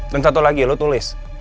dan satu lagi lo tulis